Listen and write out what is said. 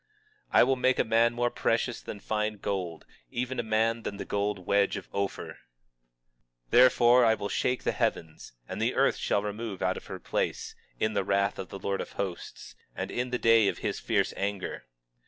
23:12 I will make a man more precious than fine gold; even a man than the golden wedge of Ophir. 23:13 Therefore, I will shake the heavens, and the earth shall remove out of her place, in the wrath of the Lord of Hosts, and in the day of his fierce anger.